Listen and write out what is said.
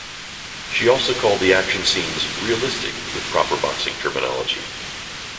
She also called the action scenes "realistic" with proper boxing terminology.